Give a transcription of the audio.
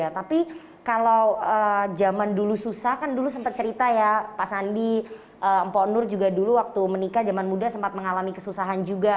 jadi kalau zaman dulu susah kan dulu sempat cerita ya pak sandi mpok nur juga dulu waktu menikah zaman muda sempat mengalami kesusahan juga